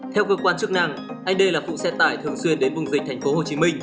theo cơ quan chức năng anh đê là phụ xe tải thường xuyên đến vùng dịch tp hcm